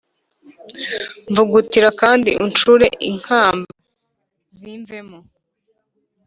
Mvugutira kandi incure inkamba zimvemo